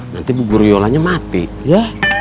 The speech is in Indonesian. nanti bubur yolanya mati ya